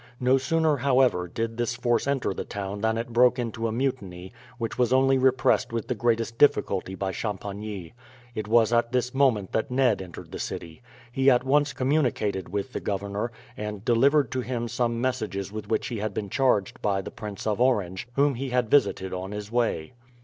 No sooner, however, did this force enter the town than it broke into a mutiny, which was only repressed with the greatest difficulty by Champagny. It was at this moment that Ned entered the city. He at once communicated with the governor, and delivered to him some messages with which he had been charged by the Prince of Orange, whom he had visited on his way.